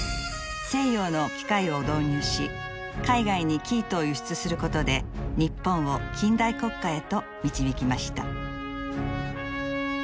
西洋の機械を導入し海外に生糸を輸出することで日本を近代国家へと導きました。